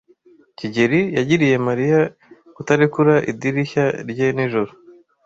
kigeli yagiriye Mariya kutarekura idirishya rye nijoro.